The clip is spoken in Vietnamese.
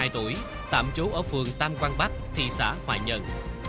ba mươi hai tuổi tạm trú ở phường tam quang bắc thị xã hoài nhân